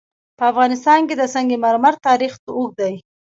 په افغانستان کې د سنگ مرمر تاریخ اوږد دی.